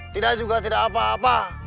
tidak juga tidak apa apa